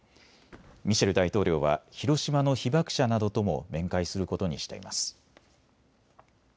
ミシェル大統領は広島の被爆者などとも面会することにしています。